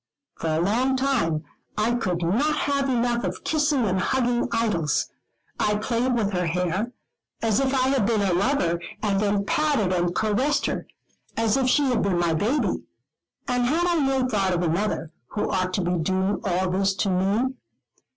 For a long time I could not have enough of kissing and hugging Idols. I played with her hair, as if I had been her lover; and then patted and caressed her, as if she had been my baby. And had I no thought of another, who ought to be doing all this to me?